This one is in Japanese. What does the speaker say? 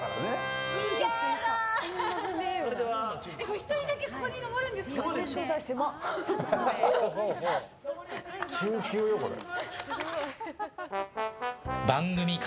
１人だけここに上るんですか？